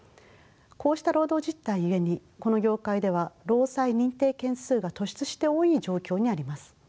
こうした労働実態ゆえにこの業界では労災認定件数が突出して多い状況にあります。